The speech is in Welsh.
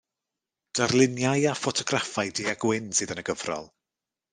Darluniau a ffotograffau du-a-gwyn sydd yn y gyfrol.